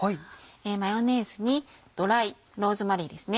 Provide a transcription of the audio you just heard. マヨネーズにドライローズマリーですね。